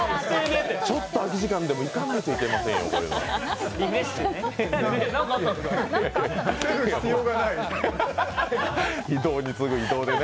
ちょっいと空き時間でも行かないといけませんね。